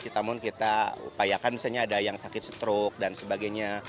namun kita upayakan misalnya ada yang sakit stroke dan sebagainya